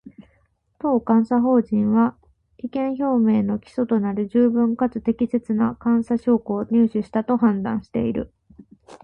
当監査法人は、意見表明の基礎となる十分かつ適切な監査証拠を入手したと判断している